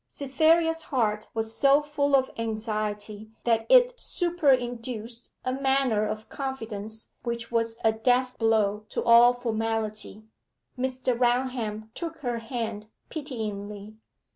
Cytherea's heart was so full of anxiety that it superinduced a manner of confidence which was a death blow to all formality. Mr. Raunham took her hand pityingly.